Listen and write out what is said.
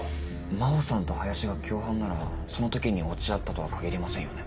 真帆さんと林が共犯ならその時に落ち合ったとは限りませんよね。